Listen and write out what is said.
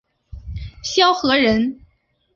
萧何人。